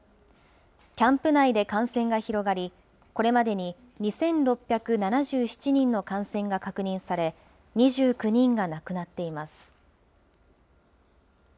キャンプ内で感染が広がり、これまでに２６７７人の感染が確認され、２９人が亡くなっています。